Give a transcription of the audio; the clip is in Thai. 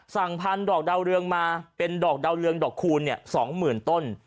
พันธอกดาวเรืองมาเป็นดอกดาวเรืองดอกคูณ๒๐๐๐ต้น